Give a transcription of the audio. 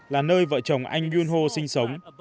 là nơi vợ chồng anh yun ho sinh sống